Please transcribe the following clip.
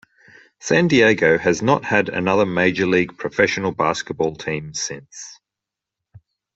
San Diego has not had another major league professional basketball team since.